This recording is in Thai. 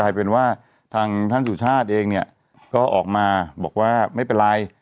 เป็นว่าทางท่านสุชาติเองเนี่ยก็ออกมาบอกว่าไม่เป็นไร